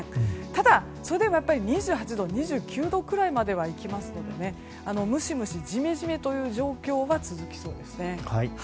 ただ、それでもやっぱり２８度、２９度くらいまではいきますのでムシムシ、ジメジメという状況は続きそうです。